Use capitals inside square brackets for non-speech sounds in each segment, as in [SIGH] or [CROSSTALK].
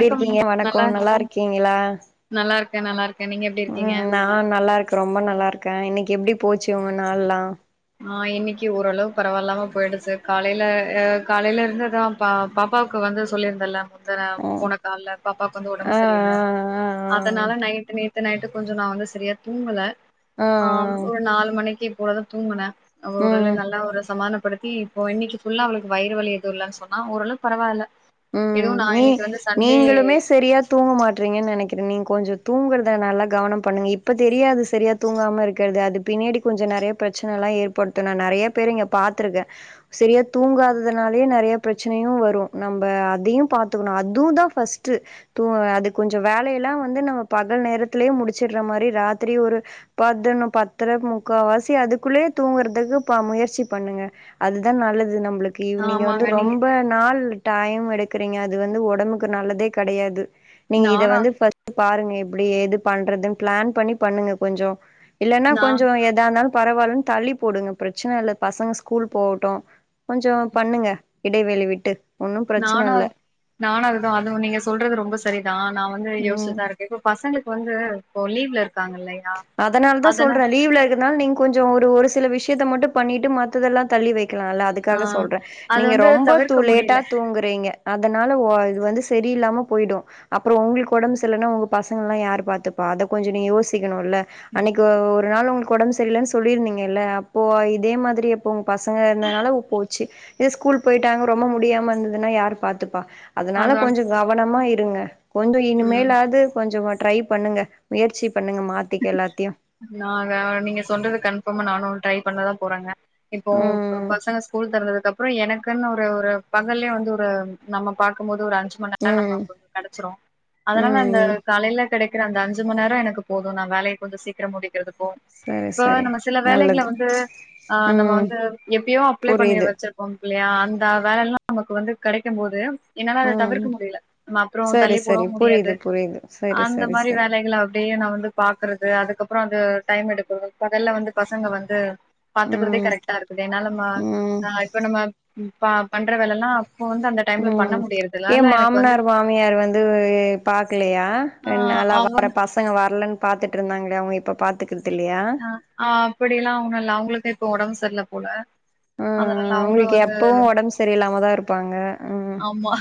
எப்டி இருக்கீங்க வணக்கோ நல்லா இருக்கீங்களா ங்க நல்லார்க் ம் நா நல்லா இருக்க ரொம்ப நல்லா இருக்க இன்னிக் எப்டி போச்சு உங்க நாள்ல்லா ஆ இன்னைக்கு ஓரளவு பரவால்லாம போயிடுச்சு காலையில ஆ காலையில இருந்துதா பா பாப்பாவுக்கு வந்து சொல்லிர்ந்தல்ல ஆ போன கால்ல பாப்பாவுக்கு வந்து ஒடம்பு ஆ சரியில்ல ஆ ஆ அதனால ஆ நைட் நேத் த்து நைட்டு கொஞ்சோ நான் வந்து சரியா தூங்கல ஆ ஒரு நாலு மணிக்கி கூடது தூங்குன அவ ஆ ம் ஒரள நல்ல ஒரு சமான படுத்தி இப்போ இன்னைக்கு ஃபுல்லா அவளுக்கு வயிறு வழி எது இல்லன் சொன்னா ஓரளவுக்கு பரவால உம் நீ நீங்களுமே சரியா தூங்க மாட்றீங்கன்னு நனைக்கிறே நீங் கொஞ்ச தூங்கறதுல நல்ல கவனம் பண்ணுங்க இப்ப தெரியாது சரியா தூங்காம இருக்கிறது அது பின்னடி கொஞ்ச நறைய பிரச்சனல்லா ஏற்படுத்து நா நறையா பேர் இங்க பாத்துருக்கே சரியா தூங்காததுனாலயே நெறைய பிரச்சனையு வரு நம்ப அதையும் பாத்துக்கணு அதுவும் தான் ஃபஸ்ட்டு அது கொஞ்சோ வேலைய எல்லாம் வந்து நம்ம பகல் நேரத்திலயே முடிச்சுட்ற மாரி ராத்திரி ஒரு பதொன்னு பத்திர முக்கா வாசி அதுக்குள்ளயே தூங்குறதுக்கு முயற்சி பண்ணுங்க அதுதான் நல்லது நம்புளுக் ஈவ்னிங் வந்து ஆமாங்க நீங்க ரொம்ப நாள் டயம் எடுக்கிறீங்க அது வந்து ஒடம்புக்கு நல்லதே கெடையாது நீங்க இத நானு வந்து பஸ் பாருங்க இப்டி ஏது பண்றதுன் ப்ளேன் பண்ணி பண்ணுங்க கொஞ்சோ இல்லன்னா நா கொஞ்சோ எதானாலு பரவாயில்லன்னு தள்ளி போடுங்க பிரச்சன இல்ல பசங்க ஸ்கூல் போகட்டும் கொஞ்சோ பண்ணுங்க இடைவெளி விட்டு ஒன்னு பிரச்சன நானும் அ இல்ல நானும் அதுதான் அதுவும் நீங்க சொல்றது ரொம்ப செரிதான் நான் வந்து ம் யோஸ்ச்டுதான் இருக்கேன் இப்ப பசங்க வந்து இப்ப லீ்வ்ல இருக் அதனால தான் சொல்றேன் லீவ்ல இருக்கனால நீங்க கொஞ்சோ ஒரு ஒருஸ் சில விஷயத்த மட்டு பண்ணிட்டு மத்ததெல்லா தள்ளி வை கிளாலே ஆ அதுக்காக சொல்றே அது நீங்க வந்து ரொம்பா டூ தவிர்க்க லேட்டா முடியல தூங்குறீங்க அத் அதனால ஓ இது வந்து செரியில்லாம போய்டு அப்பறோ உங்களுக்கு ஒடம்பு செர்லன உங்க பசங்கல்லா யாரு பாத்துப்பா அத கொஞ்ச நீங்க யோஸ் க்கனுல்ல அன்னிக்கு ஒரு ஒரு நாள் உங்களுக்கு ஒடம்பு செரியில்லன்னு சொல்லிருந்தீங்கல்ல அப்போ இதே மாதிரி இப்போ உங்க பசங்க இருந்ததுனால போச்சு இதே ஸ்கூல் போயிட்டாங்க ரொம்ப முடியாம இருந்ததுனா யாரு பாத்துப்பா அதுனால அதா கொஞ்ச கவனமா இர் இருங்க கொஞ்ச ம் இனிமேலாவது கொஞ்ச மட் ட்ரை பண்ணுங்க முயற்சி பண்ணுங்க மாத்திக்க எல்லாத்தையு நா நீங்க சொல்றது கன்ஃபர்மா நானு ட்ரை பண்ணதா போறங்க இப்போ ம் பசங்க ஸ்கூல் தெறந்ததுக் அதுக்கப்புற எனக்குன்னு ஒரு ஒரு பகல்லே வந்து ஒரு நம்ம பாக்கும் போது ஒரு அந்த அஞ்சு மண் நேரம் ம் ம் நமக்கு கெடைச்சிரும் அதனால அந்த ம் காலையில கெடைக்கிற அந்த அஞ்சு மண் நேர எனக்கு போது நா வேலைய கொஞ்ச சீக்கிர முடி கறதுக்கு சரி இப்ப சரி நம்ம சில வேலைகள நல்லது வந்து ஹ நம்ம ம் வந்து எப்பயோ அப்ளை பண்ணி புரியுது வச்சிருப்போ இல்லையா அந்த வேலைலா எல்லா நமக்கு வந்து கெடைக்கும் போது என்னால அத ம் தவிர்க்க முடியல நா அப்புற சரி தள்ளி சரி போடவு முடியாது புரியுது புரியுது சரி அந்த சரி மாதிரி சரி வேலைகள அப்படியே நா வந்து பாக்கறது அதுக்கப்புற அது டைம் எடுக்கறது முதெல்ல வந்து பசங்க வந்து பாத்துக்கறதே ம் கரெக்ட்டா இருக்குது என்னால நம்ம ம் ஆஹ் இப்ப நம்ம ப பண்ற வேல எல்லா உம் ஏ வந்து மாமனார் மாமியார் வந்து பாக்கலையா ஆ ரெண்டு நாளா அவங்க வர பசங்க வரலன்னு பாத்துட்டு இருந்தாங்களே அவங்க இப்ப பாத்துக்கற ஆஹ் அப்படி எல்லா ஒண்ணுமில்ல அவங்களுக்கே இப்ப ஒடம்பு தெர்ல போல அதனால ஹம் அவங்களு அவங்களுக்கு வந்து எப்பவு ஒடம்பு சரியில்லாம தா இருப்பாங்க உம் ஆமா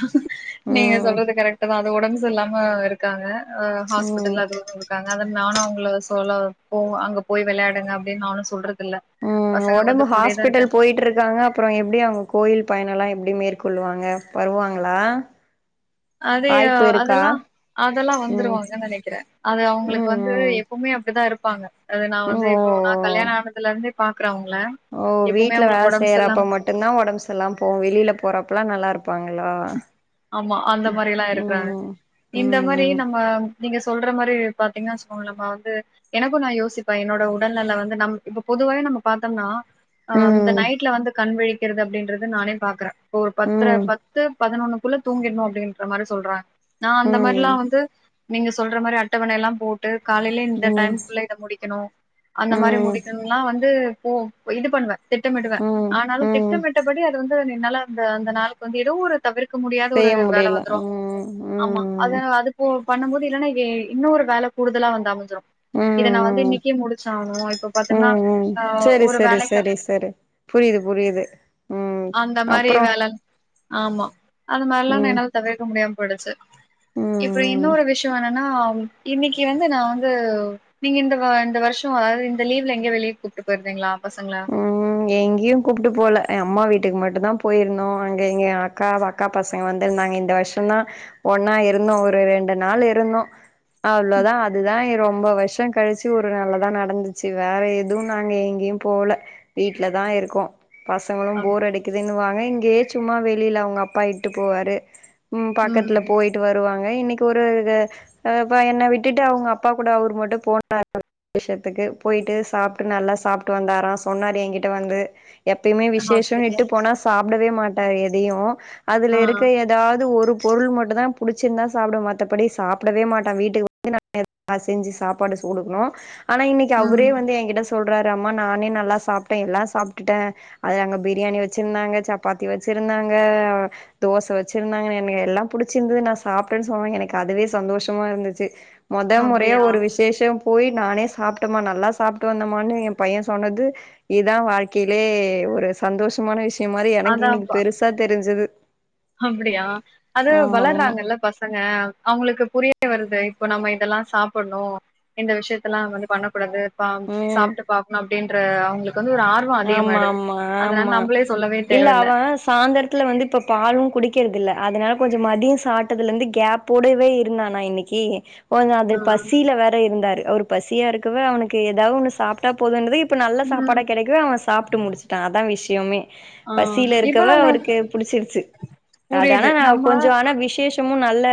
நீங்க சொல்றது கரெக்ட் தா அது உடம்பு சரி இல்லாம இருக்காங்க ஹ ஹாஸ்பிட்டல் ம் அதுவு இருக்காங்க அதா நானு அவங்கள சொல்ல போ அங்க போய் விளையாடுங்க அப்படின்னு நானு சொல்றது இல்ல உம் பசங்க வந்து ஒடம்பு கூடயேதா இருக்க ஹாஸ்பிட்டல் போயிட்டு இருக்காங்க அப்புற எப்படி அவங்க கோயில் பயண எல்லா எப்படி மேற்கொள்ளுவாங்க வருவாங்களா அதைய வாய்ப்பு இருக்கா அதெல்லா அதெல்லா ம் வந்துருவாங்கன்னு நெனைக்கிறே அது அவங்களுக்கு ம் வந்து ம் ம் எப்பவுமே அப்படிதா இருப்ப ப்பாங்க அது நா வந்து ஓ இப்போ நா கல்யாண ஆனதுல இருந்து ஓ வீட்டுல வேலை உடம்பு செய்யறப்ப சரியில்லாம மட்டும் தான் உடம்புசெரியில்லாம போகும் வெளியில போறப்பல்லா நல்லா இருக் ஆமா அந்த மாரில்லா இருக்குறாங்க ம் இந்த மாரி ம் நம்ம நீங்க சொல்ற மாரி பாத்தீங்க வச்சுக்கோங்களே நம்ம வந்து எனக்கு நா யோசிப்ப என்னோட உடல்நல வந்து நம் இப்ப பொதுவாவே நம்ம பாத்தொம்னா அ ம் அந்த ம் நைட்ல வந்து கண்விழி கிறது அப்டின்றது நானே பாக்குற ஒரு பத்துர ம் பத் து பதினொன்னுக்குள்ள தூங்கிட்னு அப்டின்ற மாரி சொல்றாங் நா அந்த மாரிலா வந்து நீங்க சொல்ற மாரி அட்டவணயெல்லா போட் டு காலைல இந்த ம் டைம்குள்ள இத முடிக்கணு அந்த மாரி ம் முடிக்கெனுனா வந்து ஓ இது பண்ணுவே திட்டமிடுவே ம் ஆனாலு ம் திட்டமிட்டபடி அது வந் து என்னால அந்த அந்த நாளுக்கு வந்து எ யவ்வுரு தவிர்க்க முடியாத ஒரு செய்ய வேல முடியல வந்துரு ம் ஆமா ம் அத அது போ பண்ணும் போது இல்லன்னா இவே இன்னொரு வேல கூடுதலா வந்து அமஞ்சுரு ம் இத நா வந்து ம் இன்னக்கே முடுச்சாவுணு இப்ப பாத்தன்னா ம் ம் ஆ செரி ஒரு செரி வேலக்க செரி செரி புரியுது புரியுது ம் அந்த மாரி அப்றோ வேல ஆமா அது மார்ல்லா ந ம் என்னால் தவிர்க்க முடியாம் போய்டுச்சு ம் இப்ப ம் இன்னோரு விஷ்யோ என்ன னா அவு இன்னக்கி வந்து நா வந்து நீங்க இந்த வ இந்த வருஷோ அதாது இந்த லீவ்ல எங்யோ வெளிய கூப்ட்டு போயிருந்தீங்ளா உம் எங்யும் கூப்ட்டு போல எ அம்மா வீட் ட்டுக் மட்டுந்தா போயிருந்தோ அங்க எங்கேயே அக்கா அக்கா பசங்க வந்துர்ந்தாங்க இந்த வர்ஷந்தா ஒன்னா இருந்தோ ஒரு ரெண்டு நாள் இருந்தோ அவ்ளோதா அதுதா எ ரொம்ப வர்சோ கழிச்சு ஒரு நல்லதா நடந்துச்சு வேற எதுவு நாங்க எங்யும் போல வீட்ல தா இருக்கோ பசங்களும் அம். போர் அடிக்குது னுவாங்க இங்கே சும்மா வெளில அவுங்க அப்பா இட்டு போவாரு உம் பக்கத்ல ம் போயிட்டு வருவாங் க இன்னைக்கு ஒரு க அபா என்ன விட்டுட்டு அவுங்க அப்பா கூட அவர் மட்டு போனாரு விஷ்யத்துக்கு போயிட்டு சாப்ட்டு நல்லா சாப் ட்டு வந்தாரா சொன்னாரு எங்கிட்ட வந்து எப்பயுமே விஷேஷோ அப்படியா இட்டு போனா சாப் உடவே மாட்டாரு எதையு அதுல ஆ இருக்க ஏதாது ஒரு பொருள் மட்டு தா புடுச்சுர்ந்தா சாப்ட மாட்டபடி சாப்டவே மாட்டா வீட்டுக் வந்து நா [INAUDIBLE] நா செஞ்சு சாப்பாடு சூடுக்ணு ஆனா இன்னக்கி அவுரே ம் வந்து எங்கிட்ட சொல் றமா நானே நல்லா சாப்ட்ட எல்லா சாப்ட்டுட்ட அது அங்க பிரியாணி வச்சுர்ந்தாங்க சப்பாத்தி வச்சிருந்தாங்க தோச வச்சிருந்தாங்க என்ன எல்லா புடுச்சிர்ந்தது நா சாப்ட்டேன் சொல்வு எனக்கு அதுவே சந்தோஷமா இருந்துச்சு மொத மொறையா அப்படியா ஒரு விஷேஷம் போய் நானே சாப்டமா நல்லா சாப்டு வந்தமானு உ பைய சொன்னது இதா வாழ்க்கைலே ஒரு சந்தோஷமான விஷ் விஷய மாரி எனக்கு அதா இன்னிக்கு பெருசா தெரிஞ்சுது அப்டியா அது ஆமா வளறாங்கல பசங்க அவுங்களுகு புரிய புரியவருது இப்போ நம்ம இதெல்லா சாப்பணு இந்த விஷயதலா வந்து பண்ண கூடாது பாவு ம் சாப்டு பாக்கணு அப்டின் ற அவுங்ளுக் ஆமா ஆமா ஆமா நம்பளே சொல்லவே இல்ல தேவல்ல அவன் சாய்ந்தரத்துல வந்து இப்ப பாலும் குடிகறதில்ல அதனால கொஞ்சோ மதியோ சாப்டதுல இருந்தது கேப்போடவே இருந்தனா இன்னகி ஓ அது ஆ பசியில வேற இருந்தாரு அவுர் பசியா இருகவே அவுனுகு ஏதாவ்னு சாப்டா போதுன்னு இப் இப்ப நல்ல சாபாட ம் கெடைக் கு அவ சாப்டு முடுசுடான் அதா விஷயமே ஆ பசில இருகவ இப்பல்லா நா அவருகு புடிச்ருச்சு அதனா புரியுது நா நம்ம கொஞ்சோ ஆனா விசேஷ துமும் நல்ல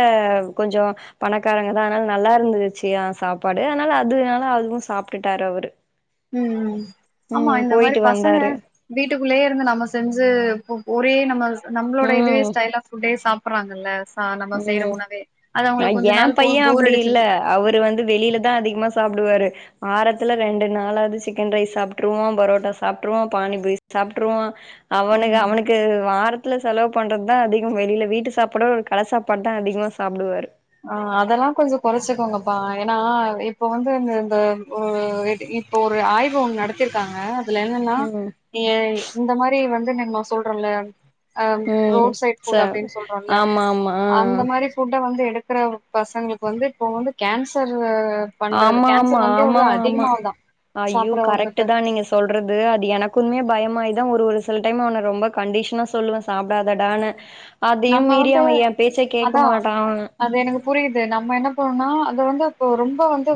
கொஞ்சோ பணக்காரங்கதா அதனால நல்லா இருந்துச்சு சாப்பாடு அதனால அதுனால அதுவு சாப்டுட்டாரு அவரு உம் உம் ஆமா ம் இந்த மாரி போயிட்டு பசங்க வந்தாரு வீட்டுகுள்ளயே இருந்து நம்ம செஞ்சு போ ஒரே நம்ம நம்மளோட இதயே ஸ்டைல் ஆஃப் ஃபுட்டயே சாப் ப்பறாங்கல்ல அ ஏ நாள் போ பைய போர் அப்டி இல்ல அடிச்சிருச்சு அவரு வந்து வெளில தா அதிகமா சாப்டுவாரு வாரத்துல ரெண்டு நாளாது சிக்கன் ரைஸ் சாப்ட்ருவோ பொரோட்டா சாப்ட்ருவோ பானிபூரி சாப்ட்ருவோ அவனுக ம் அவுனுக்கு வார த்துல செலவு பண்ற தா அதிகோ வெளில வீட்டு சாப்பட்ரு கட சாப்பாட் தா அதிகமா சாப்டுவாரு ஆஹ் அதல்லா கொஞ்சோ கொறச்சுகோங்கப்பா ஏனா இப்ப வந்து இந்த இந்த ஒரு [UNINTELLIGIBLE] இப்ப ஒரு ஆய்வு ஒன்னு நடத்திருக்காங்க துல என்னனா ம் இய இந்த மாரி வந்து ந ம்ம சொல்றோல்ல அ ம் ரோட் ச சைட்ஃபுட் அப்டினு சொல்றோல்ல ஆமா ஆமா ஆ அந்த மாரி ஃபுட்ட வந்து எடுத் க்கற பசங்களுக் வந்து இப்போ வந்து கேன்சரு ஆமா ஆமா ஆமா ஆமா ஐயோ கரெக்ட்டு சாப்புறவங்களுக்கு தா நீங்க சொல்றது அது எனக்குமே பயமாயி தா ஒரு ஒரு சில டைம் அவன ரொம்ப கண்டிஷ்னா சொல்லுவே சாப்டாதடான்னு அதயு நம்ம மீறி வந்து அவ எ பேச்ச கேக்க அதா மாட்டா அவ ப்பனா அத வந்து அப்ப ரொம்ப வந்து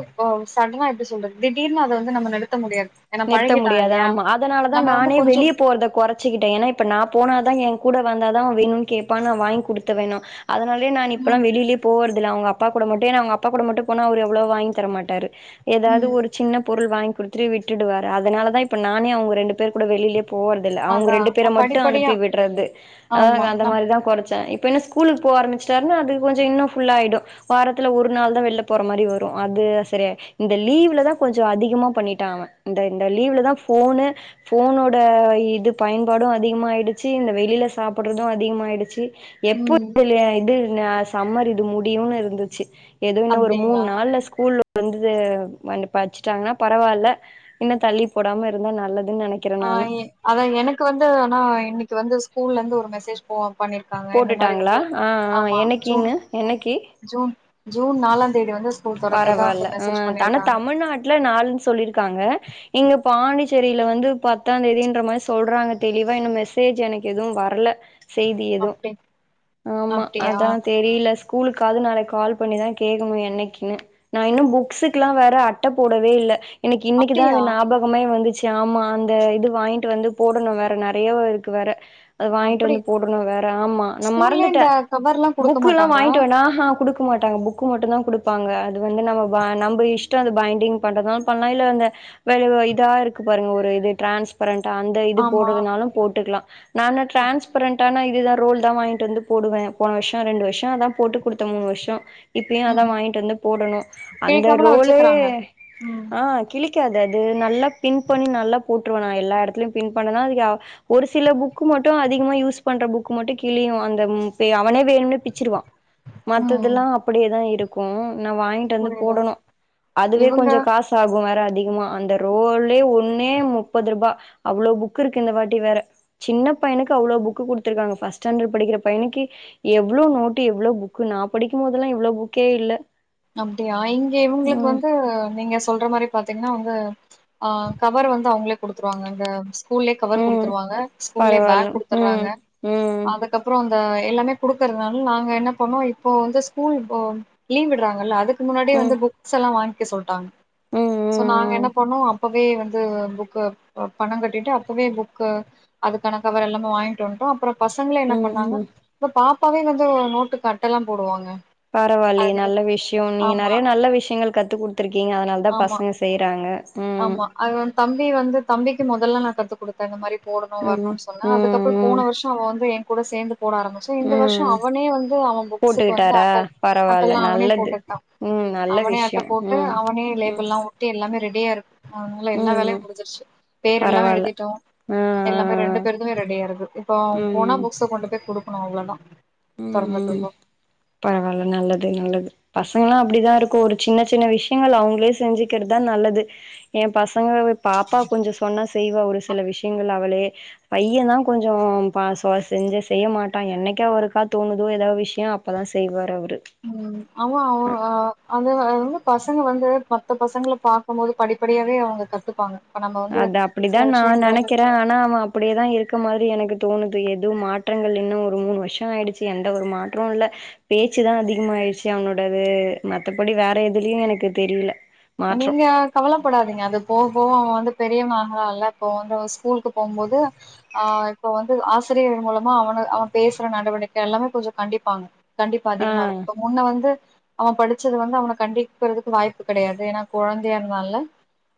சடனா எப்டி சொல்றது திடீர்னு அத வந்து நம்ம நிறுத்த முடியாது ஏன்னா நிறுத்த பழகிட்டா முடியாது இல்லையா ஆமா அதனாலதா நம்ம வந்து நானே கொஞ்சோ வெளியே போறத கொறச்சுகிட்டே ஏனா இப்ப நா போனாதா எ கூட வந்தாதா அவன் வேணுன்னு கேப்பாணு நா வாங்கி குடுத்துர்றேணா அதனாலே நான் ம் இப்பல்லா வெளிலே போறது அதல அவுங்க அப்பா கூட மட்டு ஏனா அவுங்க அப்பா கூட மட்டு போனா அவரு அவ்ளோவா வாங்கி தர மாட்டாரு ஏதாது ம் ஒரு சின்ன பொருள் வாங்கி் குடுத் திவிட் டுவாரு அதனாலதா இப்ப நானே அவுங்க ரெண்டு பேர் கூட வெளிலயே போறதில்ல அவுங்க அதா ரெண்டு பேர மட்டு படிப்படியா அனுப்பி விட்றது அ ஆமா ஹ அந்த நம் மாரிதா கொறச்சே இப் இப்ப என்ன ஸ்கூலுக்கு போக ஆரம்பச்சுட்டாருன்னா அது கொஞ்சோ இன்னோ ஃபுல்லா ஆயிடோ வாரத்துல ஒரு நாள்தா வெளில போற மாரி வரு அது சரியாயி இந்த லீவ்லதா கொஞ்சோ அதிகமா பண்ணிட்டா அவ இந்த இந்த லீவுலதா ஃபோனு ஃபோனோட இது பயன்பாடு அதிகமாகிடுச்சி இந்த வெளில சாப்புட்றது அதிகமாயிடுச்சி எப்பத் ம் [UNINTELLIGIBLE] இது நா அஸ் சம்மர் இது முடியுன்னு இருந்துச்சு எதுவு இன்னோ ஒரு மூண் அப்டிங்களா நாள்ல ஃஸ்கூல் வந்துதே வந்து பர்ச்சிட்டாங்க பரவால இன்னோ தள்ளி போடாம இருந்தா நல்லது ஆ எ அதா எனக்கு வந்து நாஇன்னைக்கி வந்து ஸ்கூ ஸ்கூலந்து ஒரு மெசேஜ் போவாகு போட்டுட்டாங்களா ஆஹ் ஆஹ் ஜூன் என்னகிங்க என்னக்கி ஜூன் ஜூன் நாலாந்தேதி வந்து ஸ்கூ பரவால அ ஆனா தமிழ்நாட்டுல நாளு சொல்லிருக்காங்க இங்கப் பாண்டிச்சேரியில வந்து பத் எட்டாந்தேதின்ற மாரி சொல்றாங்க தெளிவா இன்னு மெசேஜ் எனக்கு எதுவு வரல செய்தி எதுவு அப்டி ஆமா அப்டியா அதா தெரியில ஸ்கூலுக்காவது நாளைக் கால் பண்ணிதா கேக்ணு என்னக்கினு நா இன்னு புக்ஸுக்குலா வேற அட்ட போடவே இல்ல எனக்கு இன்னிக்குதா அது அப்டியா ஞாபகமே வந்துச் ஆமா அந்த இது வாங்கிட்டு வந்து போடணு வேற நெறையா இருக்கு வேற அது வாயின்டு அப்டி வந்து போடணு வேற ஆமா ந ஸ்கூல்லே மறந்துட்ட இந்த கவர்ல்லா குடுக்க புக்கு லா மாட்டாங்களா வாங்கிடோனா ஹாஹ குடுக்க மாட்டாங்க புக்கு மட்டுதா டுப் ப்பாங்க அது வந்து நம்ப வனா நம்ப இஷ்டோ இந்த பைன்டிங் பண்றதா பன்லா இல்ல இந்ந ஹ மேல இதா இருக்கு பாருங்க ஒரு இது ஃட்ரான்பரென்ட் அந்த இது ஆமா போடுறதுனாலு போட்டுக்கலா நான ஃட்ரான்ஸ்பரண்ட் [UNINTELLIGIBLE] இதுதா ரூல் தா வாயின்டு வந்து போடுவே போன வர்ஷோ ரெண்டு வர்ஷோ அதா போட்டு குடுத்தே மூணு வர்ஷோ இப்யு அதா ம் வாயின்டு வந்து போடணோ அந்த கேக்காமலா ரோலே வச்சுக்கறாங்க ம் ஆ கிழிக்காது அது நல்லா பின் பண்ணி நல்லா போட் ட்ருவ நா எல்லா இடத்துலையு பின் பண்ணுனா ஒரு சில புக்கு மட்டு அதிகமா யூஸ் பண்ற புக்கு மட்டு கி கிளியும் [UNINTELLIGIBLE] அந்த பே இவனே வேணும்னு பிச்சிருவான் ம் மத்ததெல்லாம் அப்டியேதான் இருக்கூ ம் [UNINTELLIGIBLE] நா வாங்கிட்டு வந்து புரியுது போடணு அதுவே இவங்க கொஞ்சோ காசு ஆகும் வேற அதிகமா அந்த ரோலே ஒன்னே முப்பது ரூபா அவ்ளவு புக் இருக்கு இந்த வாட்டி வேற சின்ன பையனுக்கு அவ்ளவு புக்கு கொடுத்தருக்காங்க ஃபர்ஸ்ட் ஸ்டாண்டர்ட் படிக்கிற பையனுக்கு எவ்ளோ நோட்டு் எவ்ளோ புக்கு நா படிக்கும்போதெல்லா இவ்ளோ புக்கே இல்ல அப்டியா இங்க இவங்களுக்கு ம் வந்து நீங்க சொல்ற மாரி பாத்தீங்கன்னா வந்து ஆஹ் கவர் வந்து அவங்களே குடுத்துருவாங்கங்க ஸ்கூல்லையே கவர் ம் கொடுத்துருவாங்க ஸ்கூல்லையே பரவால்ல பேக் குடுத்துடுறாங்க ம் ம் அதுக்கப்பறோ அந்த எல்லாமே கொடுத்துடறாங்க நாங்க என்ன பண்ணோம் இப்போ வந்து ஸ்கூல் லீவ் விடுறாங்க அதுக் முன்னாடி ம் ம் வந்து புக்ஸ் எல்லாம் வாங்க சொல்டாங்க நாங்க ம் ம் என்ன பண்ணோ அப்பவே வந்து பணம் கட்டிட்டு அப்பவே புக் அதுக்கான கவர் எல்லாம வாங்கிட்டு வந்து அப்பறோ பசங்கள என்ன ம் பண்ணாங்க ம் இப்ப பாப் அப்பாவே வந்து நோட்டுக்கு அட்டலா போடுவாங்க பரவாயில்லையே அது நல்ல விஷ்யோ நீங்க ஆமா, நெறைய நல்ல விஷயங்கள் கத்துக்குடுத் கொடுத்து இருக்கீங்க அதனால தான் ஆமா. பசங்க செய்றாங்க ம் ஆமா அது தம்பி வந்து தம்பிக்கு முதல்ல நான் கத்து கொடுத்தேன் இந்த மாதிரி போடணு ம் வரணும்னு சொன்ன அதுக்கப்பறோ போன ம் வருஷோ அவன் வந்து என் கூட சேர்ந்து போட ஆரம்பிச்ச இந்த ம் வருஷம் ம் அவனே வந்து அவன் புக்ஸ்க்கு வந்து போட்டுக்கிட்டாரா அட்டல் பரவால்ல அட்டல்ல்லாம் அவனே நல்லது போட்டுட்டான் ம் நல்ல அவனே விஷ்யோ அட்டை போட்டு ம் அவனே ம் லேபிள் எல்லாம் ஒட்டி எல்லாமே ரெடி டிய அதனால எல்லா ம் வேலையும் ம் முடிஞ்சிருச்சு பேர் எல்லாமே பரவால்ல எடுதிட்டோம் ஆ எல்லாமே ரெண்டு ஆ பேருதுமே ரெடியா இருக்கு இப்போ போனா ம் புக்ஸ் கொண்டு போய் குடு அவ்ளோதான் ம் ம் தொறந்ததுக்கு. பரவால்ல நல்லது நல்லது பசங்கல்லா அப்டிதான் இருக்கூ ஒரு சின்ன சின்ன விஷயங்கள் அவுங்களே செஞ்சுக்கிறதுதான் நல்லது என் பசங்க பாப்பா கொஞ்சோ சொன்னா செய்வ ஒரு சில விஷயங்கள் அவளே பையன் தான் கொஞ்சோ பாசுவா செஞ்ச செய்ய மாட்டான் என்னைக்கு அவரு தோணுதோ ஏதாவது விஷயோ அப்பதான் செய்வார் அவர் உம் அவ அவ அது வந்து பசங்க வந்து மத்த பசங்கள பார்கக்கும்போது படிப்படியாவே அவங்க கத்துப்பாங்க நம்ம வந்து அது சில அப்பிடிதான் நா விஷயங்கள வந்து நெனைக்கிறே ஆனா அவ அப்பிடியேதா இருக்க மாரி எனக்கு தோணுது எதுவு மாற்றங்கள் இன்னு ஒரு மூணு வர்ஷோ ஆயிடுச்சி எந்த ஒரு மாற்றோ இல்ல பேச்சுதா அதிகம் ஆயிடுச்சு அவனோடது மத்தபடி வேற எதுலியு எனக்கு தெரில அ மாற்றோ நீங்க கவலப்படாதீங்க அது போவ போவ அவ வந்து பெரியவனாகராளே அப்போ வந்து அ ஸ்கூலுக்கு போம்போது ஆ இப்ப வந்து ஆசிரியர்கள் மூலமா அவனு அவ பேசுற நடவடிக்கை எல்லாமே கொஞ்ச கண்டிப்பாங்க கண்டிப்பு ஆ அதிகமா இருக்கோ முன்ன வந்து அவ படிச்சது வந்து அவன கண்டிக்கிறதுக்கு வாய்ப்பு கெடையாது தேனா கொழந்தையா இந்தான்லே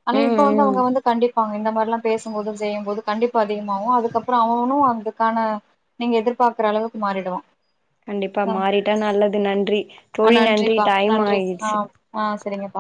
ஆனா ம் இப்ப வந்து ம் அவுங்க வந்து கண்டிப்பாங்க இந்த மா ல்லா பேசும்போதும் செய்யும்போது கண்டிப்பு அதிகமாவோ அதுக்கப்பறோ அவவனு அதுக்கான நீங்க எதிர்பாக்கற அளவுக்கு மாறிடுவா கண்டிப்பா மாறிட்டா நல்லது நன்றி ஆ தோழி நன்றி நன்றிப்பா நன்றி ஆ டைம்மாயீர்ச்சி ஆ சரிங்கப்பா